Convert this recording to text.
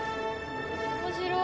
面白い。